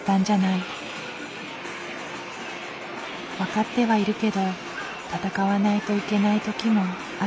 分かってはいるけど戦わないといけない時もあるよね。